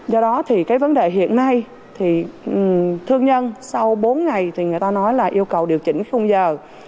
do đó thì cái vấn đề hiện nay thì thương nhân sau bốn ngày thì người ta nói là yêu cầu điều chỉnh khung giờ